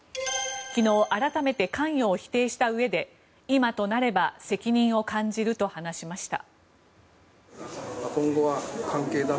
昨日、改めて関与を否定したうえで今となれば責任を感じると話しました。